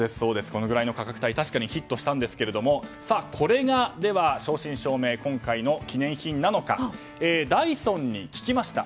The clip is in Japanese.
このぐらいの価格帯確かにヒットしたんですがこれが、正真正銘今回の記念品なのかダイソンに聞きました。